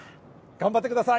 頑張ってください。